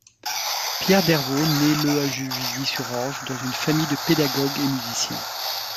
Pierre Dervaux naît le à Juvisy-sur-Orge dans une famille de pédagogues et musiciens.